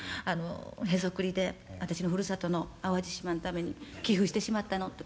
へそくりで私のふるさとの淡路島のために寄付してしまったのって。